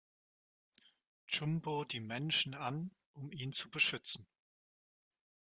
Jumbo die Menschen an, um ihn zu beschützen.